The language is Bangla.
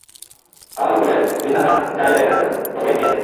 আমার উপরের বিছানা চাই ব্যাগ রাখতে দাও, তোর ব্যাগে কি আছে?